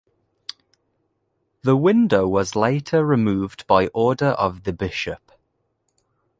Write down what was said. The window was later removed by order of the bishop.